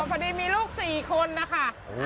พอดีมีลูกสี่คนนะค่ะ